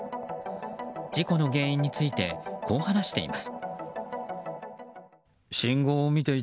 事故の原因についてこう話しています。